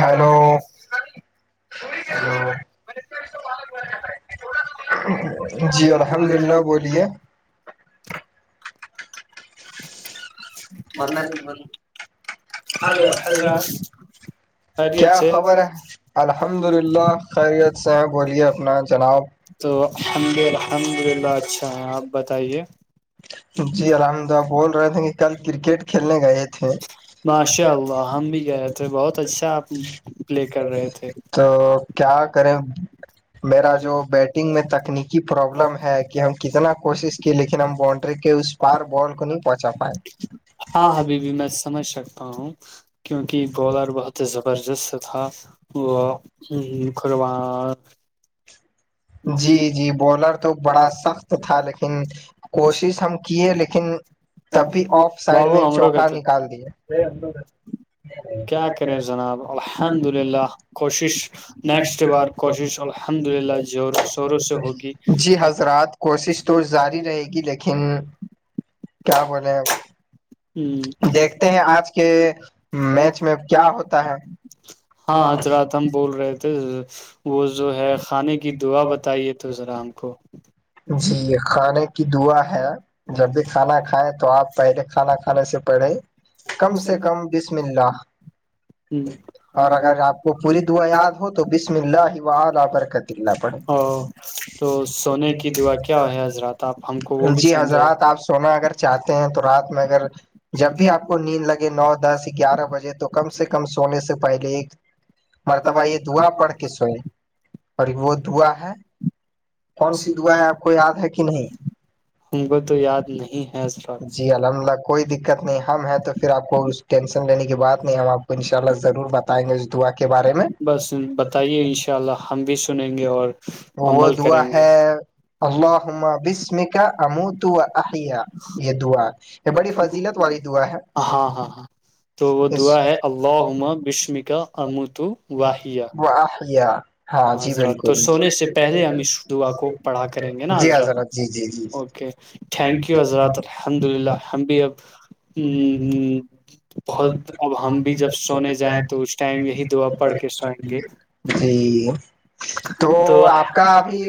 hello جی الحمد للہ بولیے بنا کی ب [unintelligible] کیا خبر ہے الحمد للہ خیریت سے ہیں بولیے اپنا جناب [unintelligible] تو الحمد الحمد للہ اچھا ہیں آپ بتائیے [inaudible] جی الحمد للہ بول رہے تھے کہ کل [unintelligible] کرکٹ کھیلنے گئے تھے تو [unintelligible] کیا کریں [unintelligible] میرا جو بیٹنگ میں تکنیکی پرابلم ہے کہ ہم کتنا کوشش کی لیکن ہم باونڈری کے اس پار بال کو نہیں پہنچا [unintelligible] ف [inaudible] ہاں ابھی بھی میں سمجھ سکتا ہوں [unintelligible] کیونکہ گولر بہت زبردست تھا وہ قربان [unintelligible] جی جی بالر تو بڑا سخت تھا لیکن [unintelligible] کوشش ہم کیے لیکن تبھی آف سائڈ میں ایک چوکا نکال دیے جی حضرات کوشش تو جاری رہے کی لیکن کیا بولے دیکھتے ہیں آج کے میچ میں کیا ہوتا ہے دا بتائیے تو سذر ہم کو جی یہ خا کہ دعا ہے جب بھی کھانا کھائیں تو آپ پہلے کھانا کھ آسیہ پڑے کم سے کم بسم اللہ اور اگر آپ کو پوری دعا یاد ہو تو بسم اللہ ہی وا برکت اللہ پڑھے جی حضرات آپ سونا اگر چاہتے ہیں تو رات میں اگر جب بھی آپ کو نو دس گیارہ بجے تو کم سے کم سونے سے پہلے ایک مرتبہ یہ دعا پڑھ کے سوئے اور وہ دعا ہے کون سید ہوا ہے آپ کو یاد ہے کہ نہیں جی الحمد للہ کوئی دقت نہیں ہم ہیں تو پھر آپ کو اس ٹینشن لینے کی بات نہیں ہم آپ کو ان شاء اللہ ضرور بتائیں گے اس دعا کے بس بتائیے ان شاء اللہ ہم بھی سنیں گے اور عمل کریں گے ہے اللہمبس مک اموتو یا یہ دعا یہ بڑی فضیلت والی ہاں ہاں ہاں تو وہ دعا ہے اللہمہ بشم کاا ام تو وحیا ہاں حضرات تو سونے سے پہلے ہم ش دعا کو پڑھا کریں گے نا حضرات اوکے تھینک یو حضرات الحمد للہ ہم بھی اب بہت اب ہم بھی جب سونے جائیں تو اس ٹائم یہی دعا پڑھ کے سوئیں گے تو آپ کا ابھی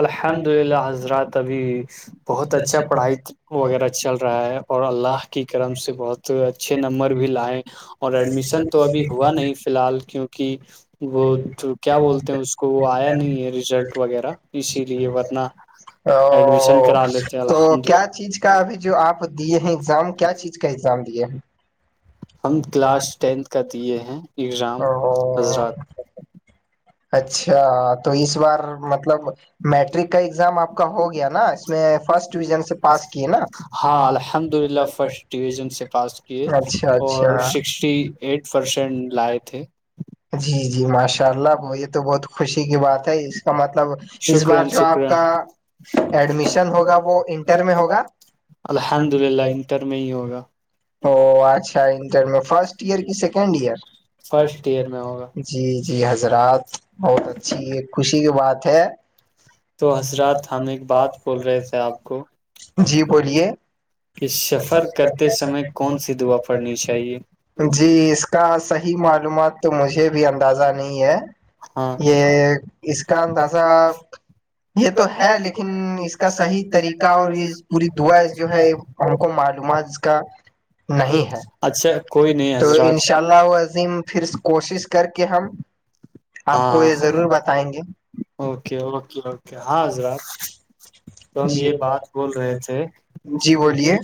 الحمد للہ حضرات ابھی بہت اچھا پڑھائی وغیرہ چل رہا ہے اور اللہ کی کرم سے بہت اچھے نمبر بھی لائے اور ایڈمیشن تو ابھی ہوا نہیں فی الحال کیونکہ وہ تو کیا بولتے ہیں اس کو وہ آیا نہیں ہے رزلٹ وغیرہ اسی لیے وہتنا ایڈمیشن کرا لیتے ہیں الحمد ہم کلاس ٹینتھ کا دیے ہیں ایگزام حضرات اچھا تو اس بار مطلب [unintelligible] میٹرک کا ایگزام آپ کا ہوگیا نا اس میں فرسٹ ڈویژن سے پاس کیے نا اچھا اچھا جی جی [unintelligible] چار لاک [inaudible] یہ تو بہت خوشی کی بات ہے اس کا مطلب اس بار جو آپ کا ایڈمیشن ہوگا وہ انٹر میں ہوگاد ا اچھا انٹر میں فرسٹ ایئر کی سیکنڈ ایئر فٹر جی [unintelligible] جی حضرات [unintelligible] ب اچھی خوشی کی بات ہے جی بلیے جی اس کا صحیح معلومات تو مجھے بھی اندازہ نہیں ہے [unintelligible] یہ اس کا اندازہ یہ تو ہے لیکن اس کا صحیح طریقہ اور یہ پوری دعا جو ہے ہم کو معلومات اس کا نہیں ہے تو انشاء اللہ عظیم پھر کوشش کر کے ہم [unintelligible] ہاں اوکے اوکے اوکے ہاں حضرات تو ہم یہ بات بول رہے تھے جی بولیے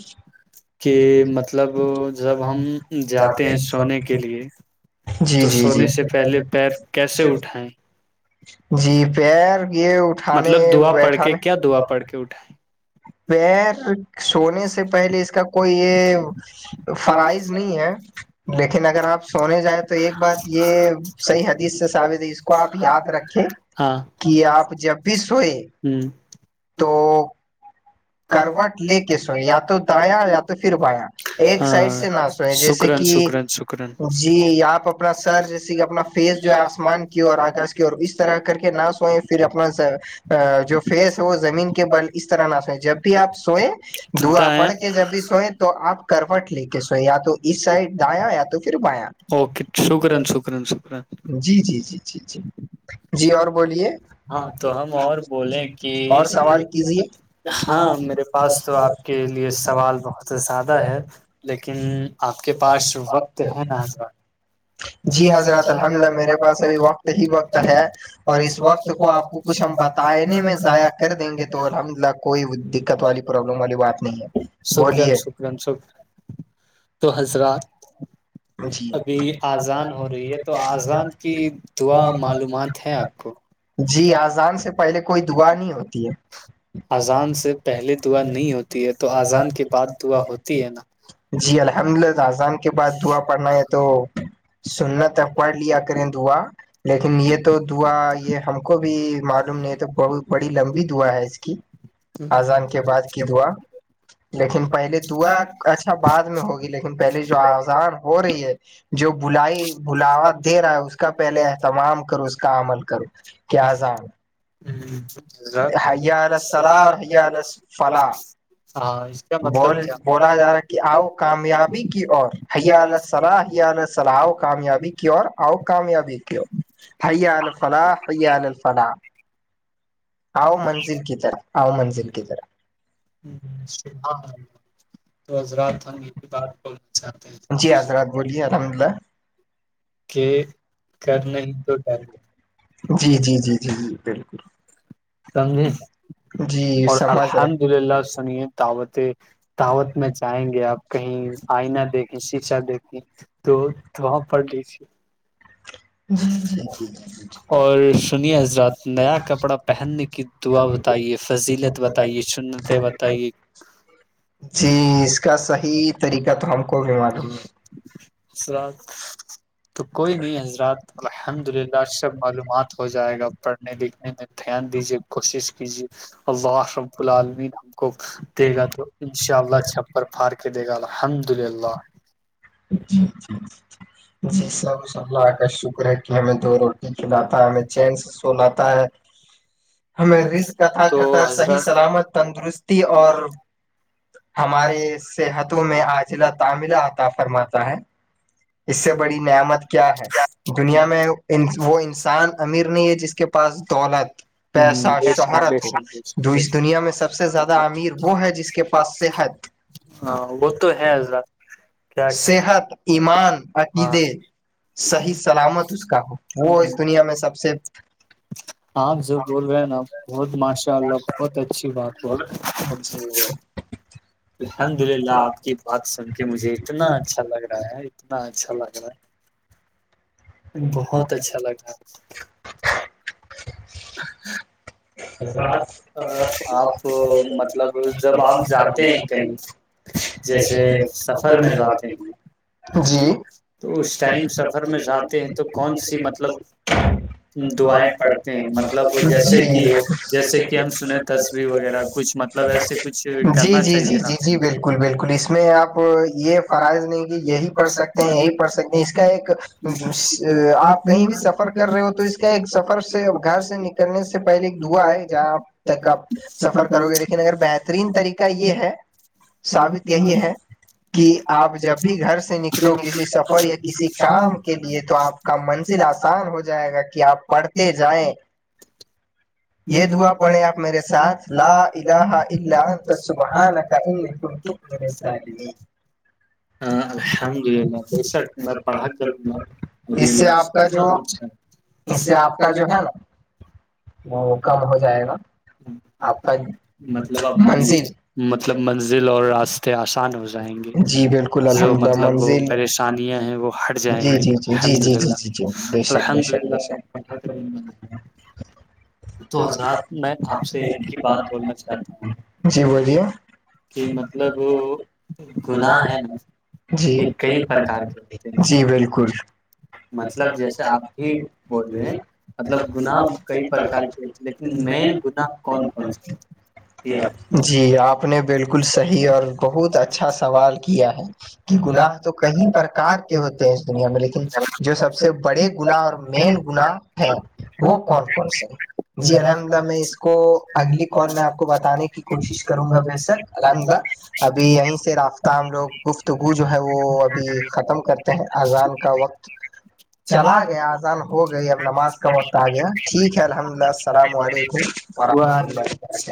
کہ مطلب جب ہم جاتے ہیں سونے کے لیے تو سونے سے پہلے پیر [unintelligible] جی پیر یہ اٹھانے بیٹھانے پیر سونے سے پہلے اس کا کوئی یہ فرائز نہیں ہے لیکن اگر آپ سونے جائیں تو ایک بات یہ صحیح ہے [unintelligible] سے ثابت ہے اس کو آپ یاد رکھیں کہ آپ جب بھی سوئے تو [unintelligible] کروٹ لے کے سوئیں یا تو دایا یا تو پھر بایا ایک سائڈ سے نہ سوئےیں جیسے کہ جی آپ اپنا سر جیسے کہ اپنا فیس جو ہے آسمان کی اور آکاش کی اور اس طرح کر کے نہ سوئیں پھر اپنا جو فیس ہے وہ زمین کے بل اس طرح نہ سوئیں [unintelligible] جب بھی آپ سوئ دواں پڑ کے جب بھی سوئے تو آپ کروٹ لے کے سوئیں یا تو اس سائڈ دایا یا تو پھر بیا جی جی جی جی جی جی اور بلیے اور سوال کیجیے [unintelligible] ہاں میرے پاس تو آپ کے لیے سوال بہت زیاادہ ہے لیکن آپ کے پاس وقت ہے نا حضرات جی حضر حضے اور اس وقت کو آپھ ض [unintelligible] کوئی دقت والی پرابلم والی بات نہیں ہے بولیے [unintelligible] جی جی آذان سے پہلے کوئی دعا نہیں ہوتی ہے جی الحمد للہ آذان کے بعد دعا [unintelligible] میں تو سننا تخ پڑھ لیا کریں دعا لیکن یہ تو دعا یہ ہم کو بھی معلوم نہیں تو بہت بڑی لمبی دعا ہے اس کی آذان کے بعد کی دعا لیکن پہلے دعا اچھا بعد میں ہوگی لیکن پہلے جو آذان ہو رہی ہے جو [unintelligible] بلائی بلاوا دے رہا ہے اس کا پہلے اہتمام کرو اس کا عمل کرو کیاذان حیا سلا اور حیا فلا بول بولا جا رہا ہے کہ آؤ کامیابی کی اور حیا [unintelligible] حان س [inaudible] کامیابی کیوں اور آؤ کامیابی کیوں حیا ال فلاح حیا ال ال فلاح [unintelligible] آؤ منزل کی طرح آؤ منزل کی طرح [unintelligible] تو حضرات ہم یہ بات بولنا چاہتے ہیں جی [unintelligible] نا جی جی جی جی جی [unintelligible] بالکل [inaudible] سمجھے اور الحمد للہ سنیے دعوتیں دعوت میں جائیں گے آپ کہیں آئینہ دیکھیں شیشا دیکھیں تو وہاں پرڑھ لیے [unintelligible] جی جی ج تو جی اس کا صحی طریقہ یا تو ہم کوئی بھی معلوم ہے شراد تو کوئی نہیں حضرات الحمد للہ شب معلومات ہو جائے گا پڑھنے لکھنے میں دھیان دیجیے کوشش کیجیے اللہحمب العالمین ہم کو دے گا تو انشاء اللہ چھپر پھاار کے دے گا الحمد للہ چ جی جی جی سبشا اللہ کا شکر ہے کہ ہمیں دو روٹی کھلاتا ہے ہمیں چین سے سناتا ہے ہمیں رز کتا خطر صحیح سلامت تندرستی اور ہمارے صحتوں میں آجلا تعاملات فرماتا ہے اس سے بڑی نعمت کیا دنیا میںھی ہاں وہ تو ہے حضر صحت ع ہاںی آپ جو بول رہے ہیں نا بہت ماشاء اللہ بہت اچھی بات ب الحمد للہ آپ کی بات سن کے مجھے ا اچھا لگ رہا ہے ہاں چل آگ رہا بہت اچھا لگا حاتپ مطلب جب آپ جاتے ہیں کہیں جیسے سفر میں جاتے جی سفر میںات ہیں تو کون سی مطلب دعائیں پڑتے ہیں مطلب جیسے کہ جیسے کہ جی جی جی جی جی بالکل بالکل اس میں آپ یہ فرائض نہیں کہ یہی پڑھ سکتے ہیں یہی پڑھ سکتے ہیں اس کا ایک آپ کہیں بھی سفر کر رہے ہو تو اس کا ایک سفر سے گھر سے نکلنے سے پہلے دا ہے جہاں تک آپ سفر کرو گے لیکن اگر بہترین طریقہ یہ ہے سثابت یہی ہے کہ آپ جب بھی گھر سے نکلو کسی سفر یا کسی کام کے لیے تو آپ کا منزل آسان ہو جائے گا کہ آپ پڑھتے جائیں یہ دعا پڑھیں آپ میرے ساتھ لا الہ ال سبحان کا ہاں الحمد للہ ج سر میں پڑھا اس سے آپ کا جو ہے اس سے آپ کا جو ہے مطلب مطلب منزل اور راستے آسان ہو جائیں گے کل الحمدلہ منزل جی جی جی جی جی جی جی جی بے شک بے شک بے شک تو آپ سےات جی بلیا جی جی بالکل مطلب جیسے آپ ملب جی آپ نے بالکل صحیح اور بہت اچھا سوال کیا ہے کہ گناہ تو کئی پرکار ہوتے ہیں اس دنیا میں لیکن جو سب سے بڑے گنا اور مین گنا ہے وہ کون کون جی الحمد للہ میں اس کو اگلی کال میں آپ کو بتانے کی کوشش کروں گا ویسر الحمد للہ ابھی یہیں سے رابطہ ہم لوگ گفتگو جو ہے وہ ابھی ختم کرتے اذان کا وقت چلا گیا اذان ہو گئی اب نماز کا وقت آ گیا ٹھیک اللہ السلام علیکم ورحمۃ اللہ